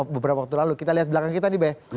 beberapa waktu lalu kita lihat belakang kita nih be